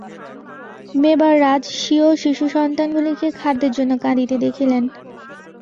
মেবার-রাজ স্বীয় শিশুসন্তানগুলিকে খাদ্যের জন্য কাঁদিতে দেখিলেন।